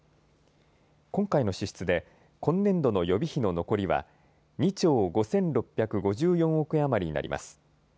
今回の支出で今年度の予備費の残りは２兆５６５４億円余りになります。